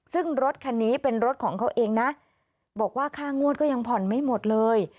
ซึ่งรถคันนี้เป็นรถของเขาเองนะบอกว่าค่างวดก็ยังผ่อนไม่หมดเลย